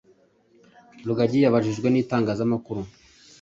rugagi yabajijwe n’itangazamakuru